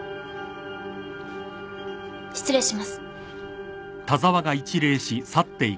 失礼します。